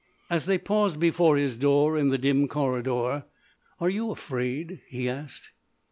As they paused before his door in the dim corridor: "Are you afraid?" he asked.